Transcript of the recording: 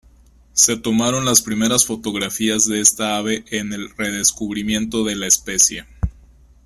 Se tomaron las primeras fotografías de esta ave en el redescubrimiento de la especie.